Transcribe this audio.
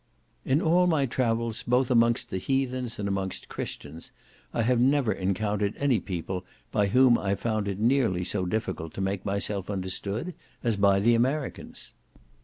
"In all my travels both amongst Heathens, and amongst Christians, I have never encountered any people by whom I found it nearly so difficult to make myself understood as by the Americans."